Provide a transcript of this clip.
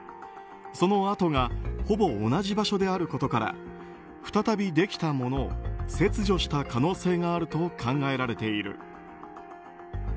その跡がほぼ同じ場所であることから再びできたものを切除した可能性があると考えられている。